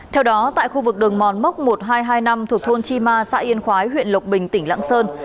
theo đó tại khu vực đường mòn mốc một nghìn hai trăm hai mươi năm thuộc thôn chi ma xã yên khói huyện lộc bình tỉnh lạng sơn